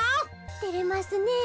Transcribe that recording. てれますねえ。